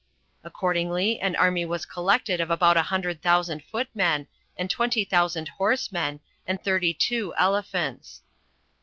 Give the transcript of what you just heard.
Accordingly, an army was collected of about a hundred thousand footmen, and twenty thousand horsemen, and thirty two elephants.